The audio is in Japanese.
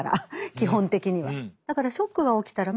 基本的には。